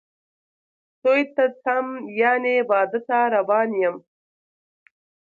توی ته څم ،یعنی واده ته روان یم